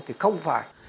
thì không phải